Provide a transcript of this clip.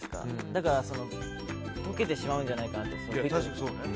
だから溶けてしまうんじゃないかなって。